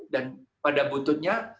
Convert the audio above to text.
dan pada bututnya